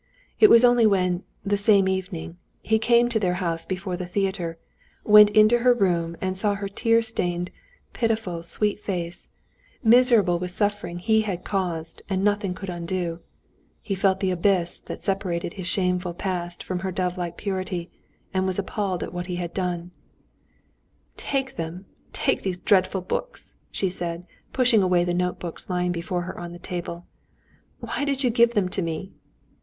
It was only when the same evening he came to their house before the theater, went into her room and saw her tear stained, pitiful, sweet face, miserable with suffering he had caused and nothing could undo, he felt the abyss that separated his shameful past from her dovelike purity, and was appalled at what he had done. "Take them, take these dreadful books!" she said, pushing away the notebooks lying before her on the table. "Why did you give them me?